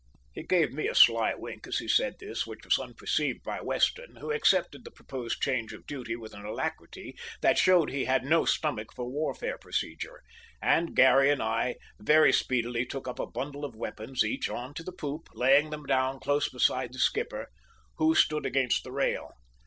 He gave me a sly wink as he said this, which was unperceived by Weston, who accepted the proposed change of duty with an alacrity that showed he had no stomach for warfare procedure, and Garry and I very speedily took up a bundle of weapons each on to the poop, laying them down close beside the skipper, who stood against the rail.